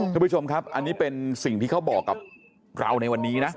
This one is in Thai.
คุณผู้ชมครับอันนี้เป็นสิ่งที่เขาบอกกับเราในวันนี้นะ